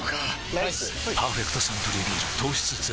ライス「パーフェクトサントリービール糖質ゼロ」